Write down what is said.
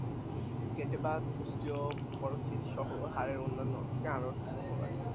গেঁটে বাত, অস্টিওপরোসিসসহ হাড়ের অন্যান্য অসুখে আনারস খুবই উপকারী।